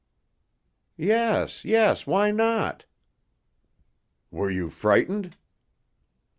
"Yes, yes, why not?" "Were you frightened?"